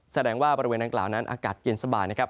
แสดงว่าบริเวณดังกล่าวนั้นอากาศเย็นสบายนะครับ